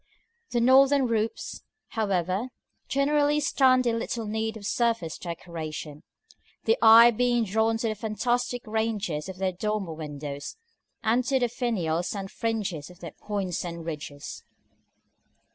The northern roofs, however, generally stand in little need of surface decoration, the eye being drawn to the fantastic ranges of their dormer windows, and to the finials and fringes on their points and ridges.